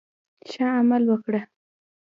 ښه عمل وکړه.